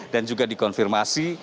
dan juga dikonfirmasi